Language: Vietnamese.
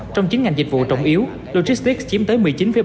trong chín ngành dịch vụ trọng yếu logistics chiếm tới một mươi chín bảy